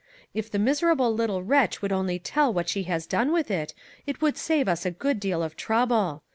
If the miserable little wretch would only tell what she has done with it, it would save us a good deal of trouble.